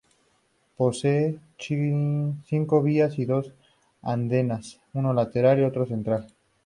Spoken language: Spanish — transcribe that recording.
Posee cinco vías y dos andenes, uno lateral y otro central.